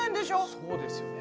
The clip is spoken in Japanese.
そうですよね。